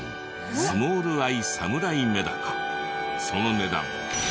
その値段。